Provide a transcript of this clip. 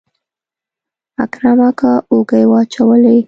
اکرم اکا اوږې واچولې.